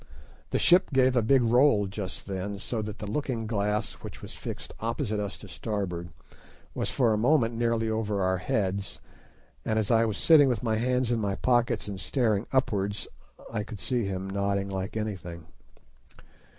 The ship gave a big roll just then, so that the looking glass, which was fixed opposite us to starboard, was for a moment nearly over our heads, and as I was sitting with my hands in my pockets and staring upwards, I could see him nodding like anything.